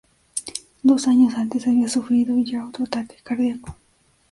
Dos años antes había sufrido ya otro ataque cardíaco.